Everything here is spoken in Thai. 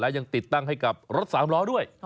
ยังติดตั้งให้กับรถสามล้อด้วย